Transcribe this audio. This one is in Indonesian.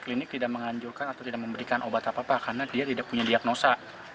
klinik tidak menganjurkan atau tidak memberikan obat apa apa karena dia tidak punya diagnosa